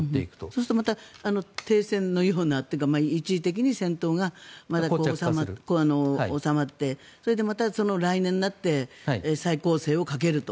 そうすると停戦のようなというか一時的に戦闘がまた収まってそれでまた、来年になって再攻勢をかけると。